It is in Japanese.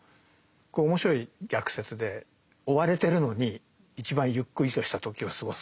これ面白い逆説で追われてるのに一番ゆっくりとした時を過ごすんです。